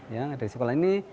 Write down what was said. yang ada di sekolah ini